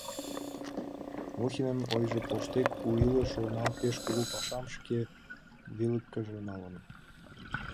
Мухинын ойжо поштек «У илыш» журнал пеш кугу пашам шке вӱлыкыжӧ налын.